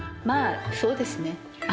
まあそうですね。